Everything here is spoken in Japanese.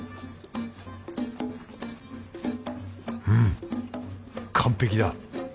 うん完璧だ。